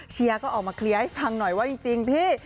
เชียร์ก็ออกมาเคลียร์ให้ฟังหน่อยว่าจริงพี่